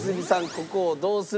ここをどうするか？